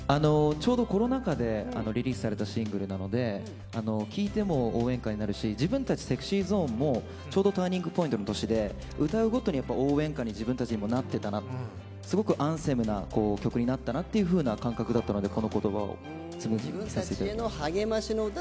ちょうどコロナ禍でリリースされたシングルなので聴いても応援歌になるし自分たちＳｅｘｙＺｏｎｅもちょうどターニングポイントの年で、歌うごとに応援歌に自分たちにもなってたな、すごくアンセムな曲になったなというのをこの言葉を紡ぎさせていただきました。